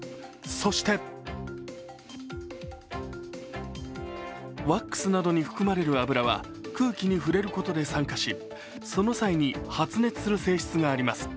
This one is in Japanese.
そしてワックスなどに含まれる油は空気に触れることで酸化しその際に発熱する性質があります。